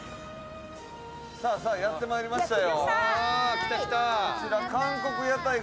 さあさあ、やってまいりましたよ。